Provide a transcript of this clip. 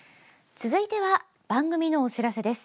続いては番組のお知らせです。